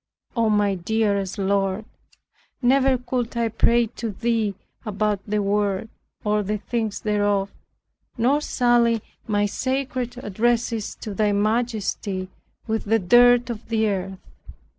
O my dearest Lord, never could I pray to Thee about the world, or the things thereof; nor sully my sacred addresses to Thy majesty with the dirt of the earth.